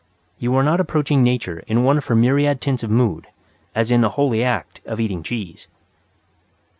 You are not approaching Nature in one of her myriad tints of mood, as in the holy act of eating cheese.